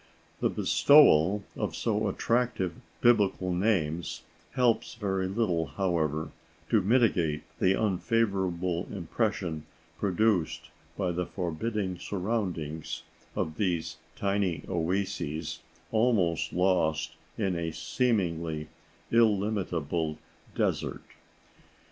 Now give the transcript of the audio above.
The bestowal of so attractive Biblical names helps very little, however, to mitigate the unfavourable impression produced by the forbidding surroundings of these tiny oases almost lost in a seemingly illimitable desert.